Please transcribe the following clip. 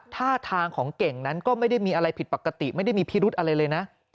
ท่าทางของเก่งนั้นก็ไม่ได้มีอะไรผิดปกติไม่ได้มีพิรุธอะไรเลยนะ